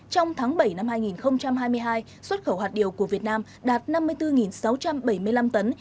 trong tháng bảy năm hai nghìn hai mươi hai xuất khẩu hạt điều của việt nam đạt năm mươi bốn sáu trăm bảy mươi năm tấn